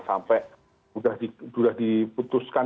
sampai sudah diputuskan